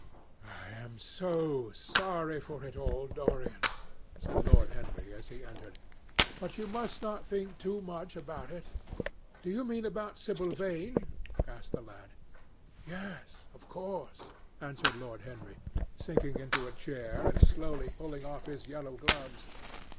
"I am so sorry for it all, Dorian," said Lord Henry as he entered. "But you must not think too much about it." "Do you mean about Sibyl Vane?" asked the lad. "Yes, of course," answered Lord Henry, sinking into a chair and slowly pulling off his yellow gloves.